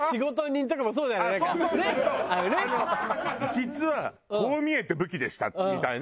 実はこう見えて武器でしたみたいな。